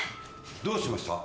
どうしました？